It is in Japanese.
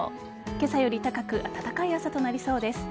今朝より高く暖かい朝となりそうです。